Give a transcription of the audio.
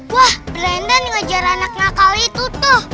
wah brandon ngejar anak ngakal itu tuh